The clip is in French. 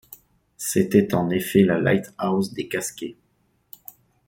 C’était en effet la Light-House des Casquets.